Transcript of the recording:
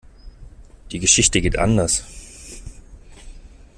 Die Geschichte geht anders.